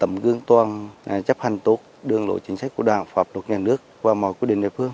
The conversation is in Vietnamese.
anh nguyễn văn toàn xin nghỉ việc và làm đơn đề nghị chính quyền địa phương